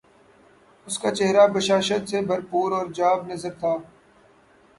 اس کا چہرہ بشاشت سے بھر پور اور جاب نظر تھا